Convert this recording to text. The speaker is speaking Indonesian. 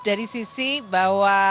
dari sisi bahwa